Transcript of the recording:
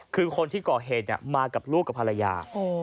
คือคนที่ก่อเหตุมากับลูกกับภรรยา